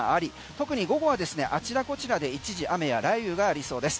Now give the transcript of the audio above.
特に午後はですねあちらこちらで一時、雨や雷雨がありそうです。